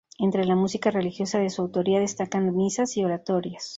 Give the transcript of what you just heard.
Entre la música religiosa de su autoría destacan misas y oratorios.